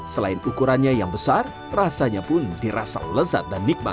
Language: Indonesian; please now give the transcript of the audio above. selain ukurannya yang besar rasanya pun dirasa lezat dan nikmat